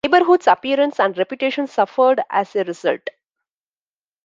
The neighborhood's appearance and reputation suffered as a result.